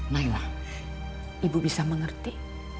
nailah ibu bisa mengerti